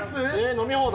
飲み放題？